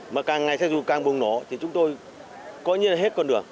mà càng ngày xe dù càng bùng nổ thì chúng tôi coi như là hết con đường